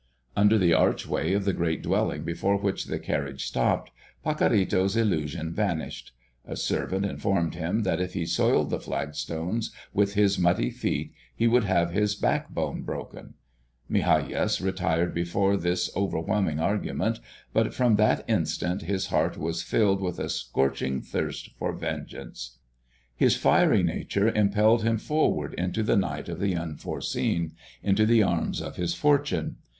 Under the archway of the great dwelling before which the carriage stopped, Pacorrito's illusion vanished. A servant informed him that if he soiled the flagstones with his muddy feet, he would have his back bone broken. Migajas retired before this overwhelming argument, but from that instant his heart was filled with a scorching thirst for vengeance. His fiery nature impelled him forward into the night of the unforeseen, into the arms of his fortune.